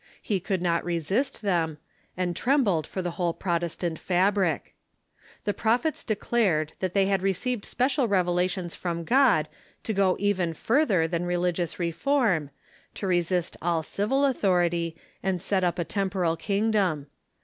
He could not resist them, and trem bled for the whole Protestant fabric. The Prophets declared that they had received special revelations from God to go even further than religious reform, to resist all civil author ity, and set up a temporal kingdom.